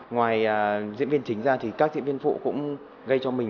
ngoài diễn viên chính ra thì các diễn viên phụ gây cho mình rất nhiều ấn tượng